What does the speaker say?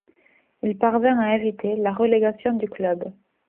Il parvient à éviter la relégation du club.